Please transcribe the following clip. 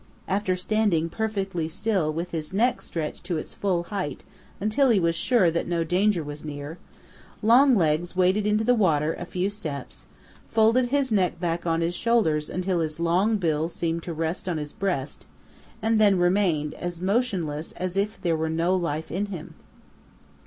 After standing perfectly still with his neck stretched to its full height until he was sure that no danger was near, Longlegs waded into the water a few steps, folded his neck back on his shoulders until his long bill seemed to rest on his breast, and then remained as motionless as if there were no life in him.